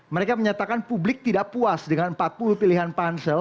mereka menyatakan publik tidak puas dengan empat puluh pilihan pansel